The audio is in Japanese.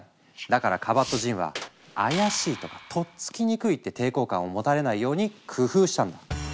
だからカバットジンは「怪しい」とか「とっつきにくい」って抵抗感を持たれないように工夫したんだ。